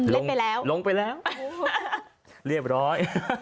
ไปแล้วลงไปแล้วเรียบร้อย